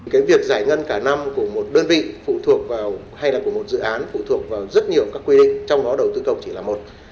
cái việc giải ngân cả năm của một đơn vị phụ thuộc vào hay là của một dự án phụ thuộc vào rất nhiều các quy định trong đó đầu tư công chỉ là một